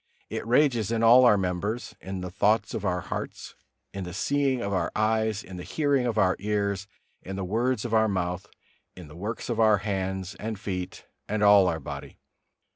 It rages in all our members: in the thoughts of our hearts, in the seeing of our eyes, in the hearing of our ears, in the words of our mouth, in the works of our hands and feet and all our body.